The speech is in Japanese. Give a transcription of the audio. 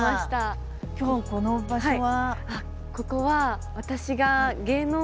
今日この場所は？